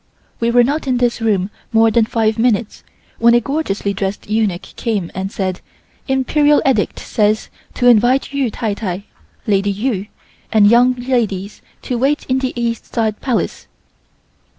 We were not in this room more than five minutes when a gorgeously dressed eunuch came and said: "Imperial Edict says to invite Yu tai tai (Lady Yu) and young ladies to wait in the East side Palace."